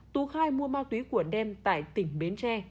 tú khai mua ma túy của đem tại tỉnh bến tre